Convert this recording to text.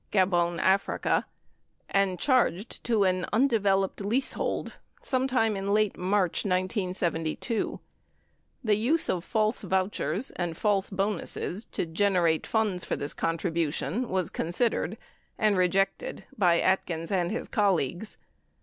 Gabon, Africa, and charged to an undeveloped leasehold sometime in late March 1972. The use of false vouchers and false bonuses to generate funds for the contribution was considered and rejected by Atkins and his colleagues.